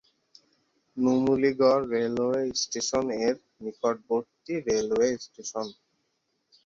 Numaligarh railway station এর নিকটবর্তী railway station.